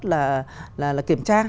là kiểm tra